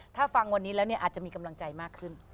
ถ้าฟังวันนี้แล้วเนี่ยอาจจะมีกำลังใจมากขึ้น